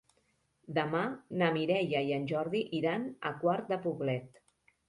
Demà na Mireia i en Jordi iran a Quart de Poblet.